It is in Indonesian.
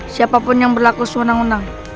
siapapun yang berlaku suanang uanang